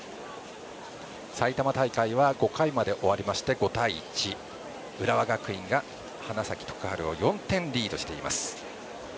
埼玉大会は５回まで終わりまして５対１浦和学院が花咲徳栄を４点リードしています。